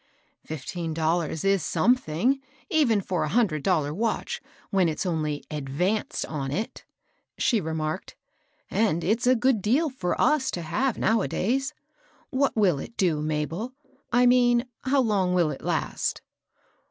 " Fifteen dollars is something, even for a hundred dollar watch, when it's only advanced on it," she remarked, " and it's a good deal for us to have now a days. What will it do, Mabel ?— I mean how long will it last